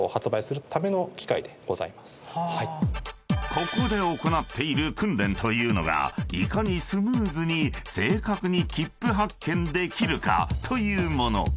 ［ここで行っている訓練というのがいかにスムーズに正確にきっぷ発券できるかというもの］